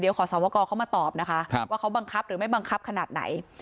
เดี๋ยวขอสอบกรเขามาตอบนะคะว่าเขาบังคับหรือไม่บังคับขนาดไหน